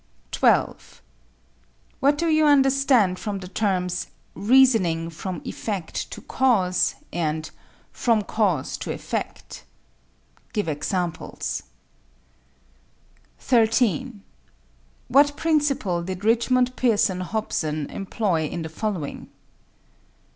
12. What do you understand from the terms "reasoning from effect to cause" and "from cause to effect?" Give examples. 13. What principle did Richmond Pearson Hobson employ in the following?